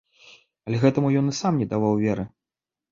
Але гэтаму ён і сам не даваў веры.